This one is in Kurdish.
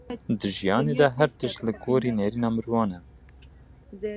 Di jiyanê de her tişt li gorî nêrîna mirovan e.